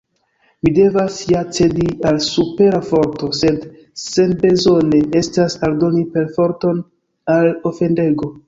Mi devas ja cedi al supera forto, sed senbezone estas aldoni perforton al ofendego.